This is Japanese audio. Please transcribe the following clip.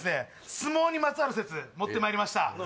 相撲にまつわる説持ってまいりました